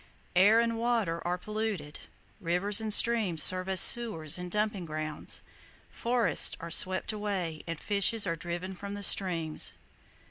Air and water are polluted, rivers and streams serve as sewers and dumping grounds, forests are swept away and fishes are driven from the streams.